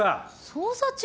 捜査中？